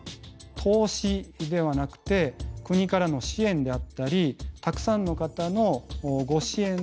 投資ではなくて国からの支援であったりたくさんの方のご支援で運営しています。